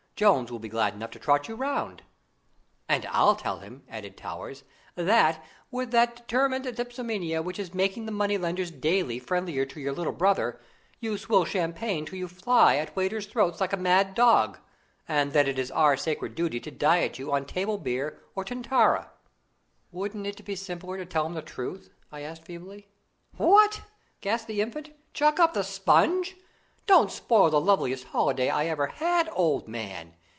Jones will be glad enough to trot you round." "And I'll tell him," added Towers, "that, with that determined dipsomania which is making the money lenders daily friendlier to your little brother, you swill champagne till you fly at waiters' throats like a mad dog, and that it is our sacred duty to diet you on table beer or Tintara." "Wouldn't it be simpler to tell him the truth?" I asked feebly. "What!" gasped the Infant, "chuck up the sponge? Don't spoil the loveliest holiday I ever had, old man.